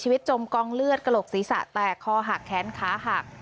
จมกองเลือดกระโหลกศีรษะแตกคอหักแขนขาหัก